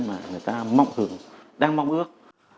mà người ta mong hưởng đang mong ước